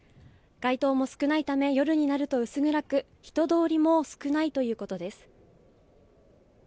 街灯も少ないため、夜になると薄暗く、人通りも少ないということです。